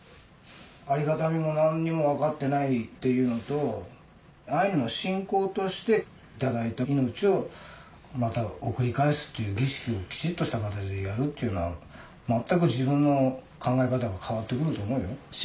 ありがたみも何にも分かってないっていうのとアイヌの信仰として頂いた命をまた送り返すという儀式をきちっとした形でやるっていうのは全く自分の考え方が変わって来ると思うよ。